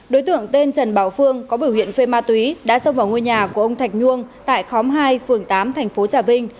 đối tượng tên trần bảo phương có biểu hiện phê ma túy đã xông vào ngôi nhà của ông thạch nhông tại khóm hai phường tám thành phố trà vinh